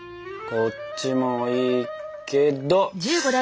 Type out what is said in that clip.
こっちもいいな。